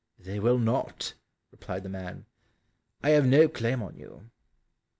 "They will not," replied the man, "I have no claim on you."